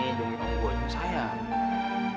jangan lupa buatmu sayang